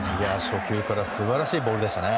初球から素晴らしいボールでしたね。